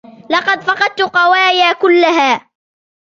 لقد فقدت قواي كلها.